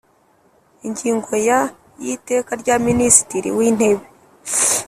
Ingingo ya y Iteka rya Minisitiri wintebe